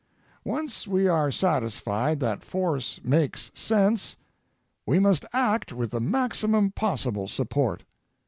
Once we are satisfied that force makes sense, we must act with the maximum possible support.